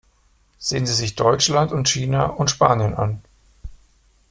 Sehen Sie sich Deutschland und China und Spanien an.